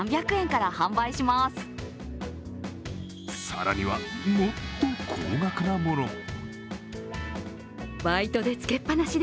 更には、もっと高額なものも。